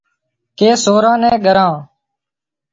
ڪي سوران نين ڳران